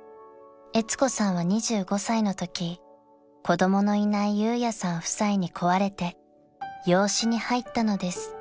［えつ子さんは２５歳のとき子供のいない裕也さん夫妻に請われて養子に入ったのです］